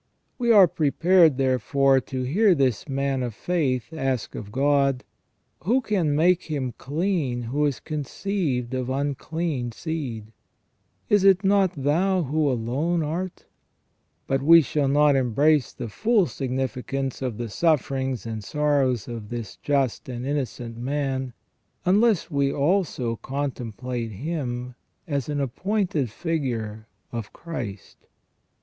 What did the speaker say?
We are prepared, therefore, to hear this man of faith ask of God :" Who can make him clean who is conceived of unclean seed ? Is it not Thou who alone art ?" But we shall not embrace the full significance of the sufferings and sorrows of this just and innocent man, unless we also contem plate him as an appointed figure of Christ.